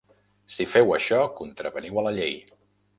Si feu això contraveniu a la llei.